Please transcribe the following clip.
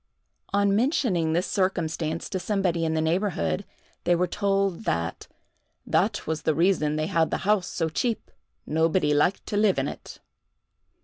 On mentioning this circumstance to somebody in the neighborhood, they were told that "that was the reason they had the house so cheap: nobody liked to live in it."